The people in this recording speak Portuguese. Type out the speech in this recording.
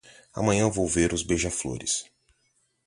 Amanhã vou ver os beija-flores.